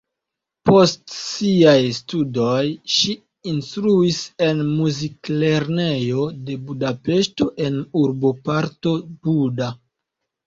Post siaj studoj ŝi instruis en muziklernejo de Budapeŝto en urboparto Buda.